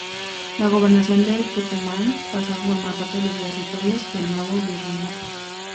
La Gobernación del Tucumán pasó a formar parte de los territorios del nuevo virreinato.